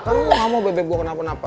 kan gue gak mau bebek gue kenapa kenapa